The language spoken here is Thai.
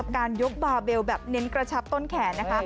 การยกร้ายในต้นแขน